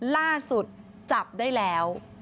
ล่าสุดจับได้แล้ว